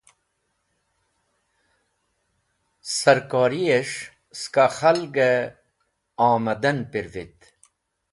Sarkoryes̃h skẽ khalg-e omdan pirvit.